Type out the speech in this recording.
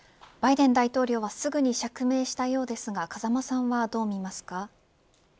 バイデン大統領はすぐに釈明したようですが風間さんはどう見ますか。